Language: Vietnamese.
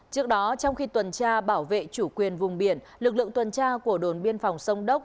trước đó trong khi tuần tra bảo vệ chủ quyền vùng biển lực lượng tuần tra của đồn biên phòng sông đốc